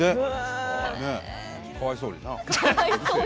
かわいそうにな。